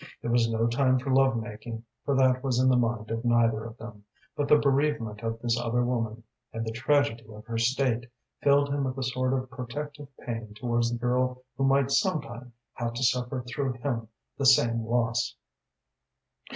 It was no time for love making, for that was in the mind of neither of them, but the bereavement of this other woman, and the tragedy of her state, filled him with a sort of protective pain towards the girl who might some time have to suffer through him the same loss.